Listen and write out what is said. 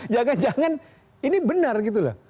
jangan jangan ini benar gitu loh